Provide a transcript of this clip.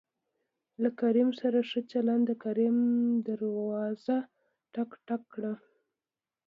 له کريم سره ښه چلېده د کريم دروازه ټک، ټک کړه.